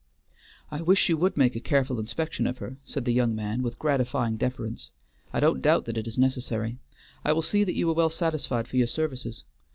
"I wish you would make a careful inspection of her," said the young man, with gratifying deference. "I don't doubt that it is necessary; I will see that you are well satisfied for your services.